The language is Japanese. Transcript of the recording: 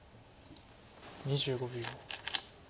２５秒。